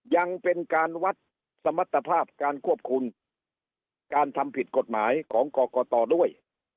ยังเป็นการวัดสมรรถภาพการควบคุมการทำผิดกฎหมายของกรกตด้วย